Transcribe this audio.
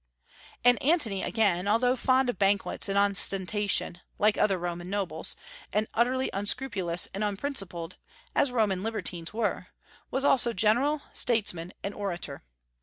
And Antony, again, although fond of banquets and ostentation, like other Roman nobles, and utterly unscrupulous and unprincipled, as Roman libertines were, was also general, statesman, and orator.